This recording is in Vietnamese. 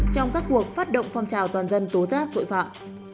trong các cuộc phát động phong trào toàn dân tố giác tội phạm